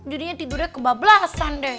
jadinya tidurnya kebab belasan deh